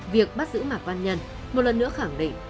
việc bắt giữ mạc văn nhân một lần nữa khẳng định